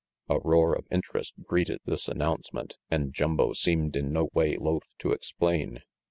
A roar of interest greeted this announcement and Jumbo seemed in no way loath to explain.